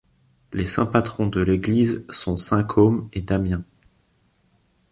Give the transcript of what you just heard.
Les saints-patrons de l'église sont saints Côme et Damien.